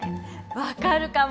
分かるかも。